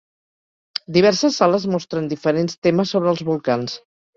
Diverses sales mostren diferents temes sobre els volcans.